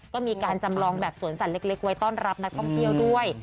ก็มีการจำลองแบบสวนสัตว์เล็กไว้ต้อนรับนักท่องเที่ยวด้วย